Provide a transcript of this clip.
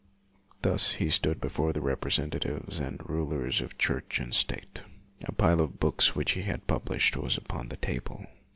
: Thus he stood before the representatives and rulers of Church and state. A pile of books which he had published was upon the table.